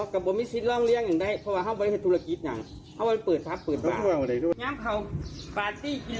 งั้นเขาบาร์ตี้กินเหล้ากินเลยอย่างเด็กน้อยให้แต่ก็ช่วยเขาก็ล้ำคาดเหมือนกันเขาเหมือนกับน้องเจ้าบ้าน